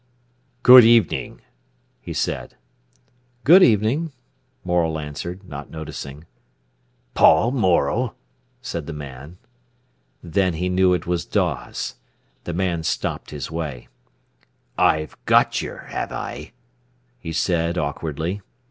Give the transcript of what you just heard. "Good evening!" he said. "Good evening!" Morel answered, not noticing. "Paul Morel?" said the man. Then he knew it was Dawes. The man stopped his way. "I've got yer, have I?" he said awkwardly.